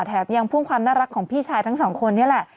แถมยังพุ่งความน่ารักของพี่ชายทั้งสองคนนี่แหละ